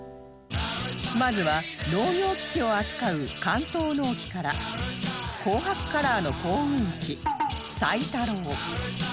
まずは農業機器を扱う関東農機から紅白カラーの耕運機菜太郎